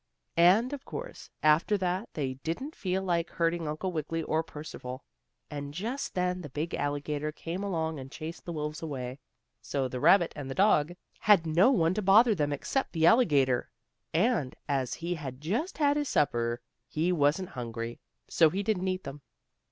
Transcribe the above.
And, of course, after that they didn't feel like hurting Uncle Wiggily or Percival. And just then the big alligator came along and chased the wolves away, so the rabbit and dog had no one to bother them except the alligator, and, as he had just had his supper, he wasn't hungry, so he didn't eat them.